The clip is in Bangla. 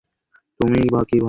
তুমিও তাই ভাবো?